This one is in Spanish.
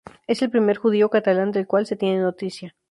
Es el primer judío catalán del cual se tiene noticia.